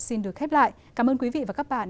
xin được khép lại cảm ơn quý vị và các bạn